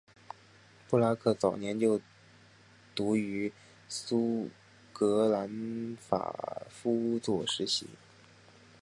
布拉克早年就读于苏格兰法夫作实习。